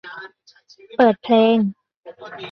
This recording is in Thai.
เปิดเพลง